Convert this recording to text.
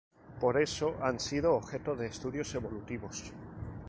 Por eso han sido objeto de estudios evolutivos.